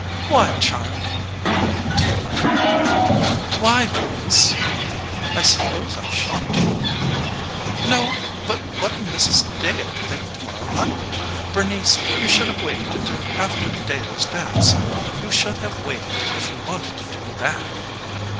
"Why, child!" "Do you like it?" "Why Bernice!" "I suppose I've shocked you." "No, but what'll Mrs. Deyo think tomorrow night? Bernice, you should have waited until after the Deyo's dance you should have waited if you wanted to do that."